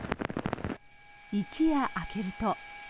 一夜明けると。